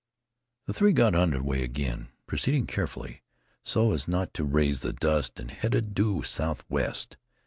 The three got under way again, proceeding carefully, so as not to raise the dust, and headed due southwest.